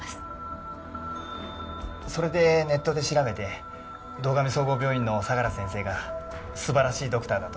それでネットで調べて堂上総合病院の相良先生が素晴らしいドクターだと。